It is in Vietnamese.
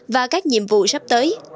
và các nhiệm vụ sắp tới